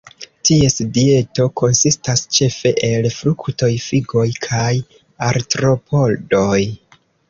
Ties dieto konsistas ĉefe el fruktoj, figoj kaj artropodoj.